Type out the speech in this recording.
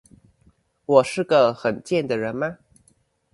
我是個很賤的人嗎